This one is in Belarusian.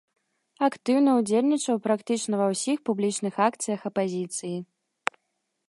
Актыўна ўдзельнічаў практычна ва ўсіх публічных акцыях апазіцыі.